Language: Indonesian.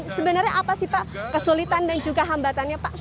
sebenarnya apa sih pak kesulitan dan juga hambatannya pak